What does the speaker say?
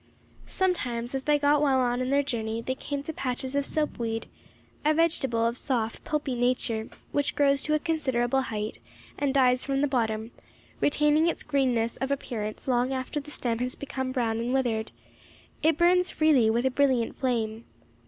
Sometimes, as they got well on in their journey, they came to patches of soap weed, a vegetable of soft, pulpy nature, which grows to a considerable height, and dies from the bottom, retaining its greenness of appearance long after the stem has become brown and withered; it burns freely, with a brilliant flame.